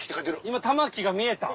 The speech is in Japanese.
今「玉木」が見えた。